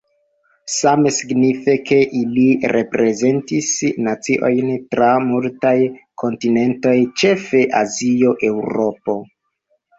Same signife, ke ili reprezentis naciojn tra multaj kontinentoj, ĉefe Azio, Eŭropo.